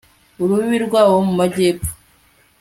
urubibi rwabo mu majyepfo